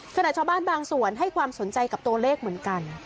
ชาวบ้านบางส่วนให้ความสนใจกับตัวเลขเหมือนกัน